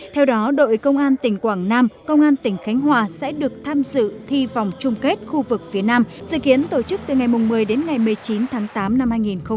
theo đó đội công an tỉnh quảng nam công an tỉnh khánh hòa sẽ được tham dự thi vòng chung kết khu vực phía nam dự kiến tổ chức từ ngày một mươi đến ngày một mươi chín tháng tám năm hai nghìn hai mươi